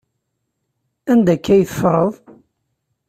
Anda akka ay teffreḍ?